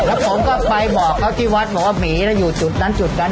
แล้วผมก็ไปบอกเขาที่วัดบอกว่าหมีอยู่จุดนั้นจุดนั้น